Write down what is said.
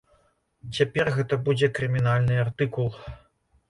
Цяпер гэта будзе крымінальны артыкул!